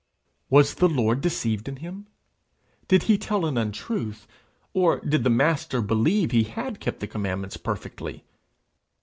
Was the Lord deceived in him? Did he tell an untruth? or did the Master believe he had kept the commandments perfectly?